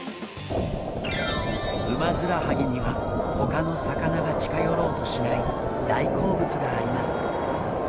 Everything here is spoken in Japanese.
ウマヅラハギには他の魚が近寄ろうとしない大好物があります。